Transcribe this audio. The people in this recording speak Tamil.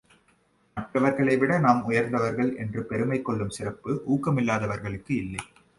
மற்றவர்களைவிட நாம் உயர்ந்தவர்கள் என்று பெருமை கொள்ளும் சிறப்பு ஊக்கமில்லாதவர்க்கு இல்லை.